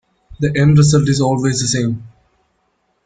The end result is always the same.